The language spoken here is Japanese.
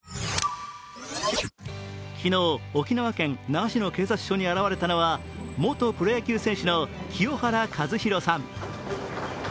昨日、沖縄県那覇市の警察署に現れたのは元プロ野球選手の清原和博さん。